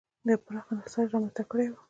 یو پراخ انحصار یې رامنځته کړی و.